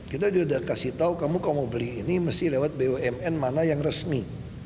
kita udah kasih tau kamu mau beli ini mesti lewat bumn mana yang resmi